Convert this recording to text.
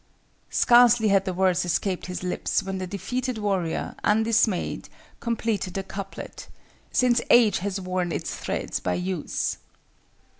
Scarcely had the words escaped his lips when the defeated warrior, undismayed, completed the couplet— "Since age has worn its threads by use."